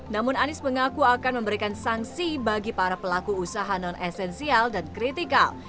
namun anies mengaku akan memberikan sanksi bagi para pelaku usaha non esensial dan kritikal